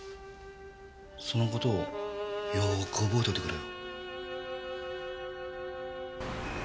その事をよーく覚えといてくれよ。